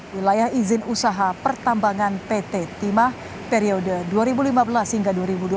wilayah izin usaha pertambangan pt timah periode dua ribu lima belas hingga dua ribu dua puluh